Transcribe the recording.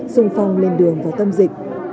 sung phong lên đường vào tâm dịch